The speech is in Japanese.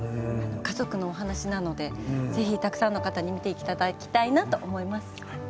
家族のお話なのでぜひたくさんの人に見ていただきたいなと思います。